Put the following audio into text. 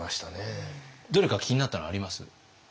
どれか気になったのあります？